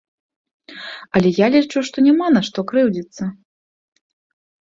Але я лічу, што няма на што крыўдзіцца!